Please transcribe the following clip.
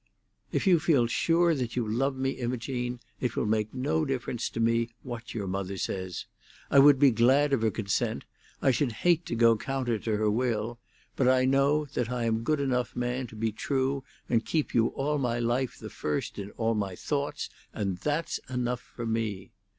"If you feel sure that you love me, Imogene, it will make no difference to me what your mother says. I would be glad of her consent; I should hate to go counter to her will; but I know that I am good enough man to be true and keep you all my life the first in all my thoughts, and that's enough for me.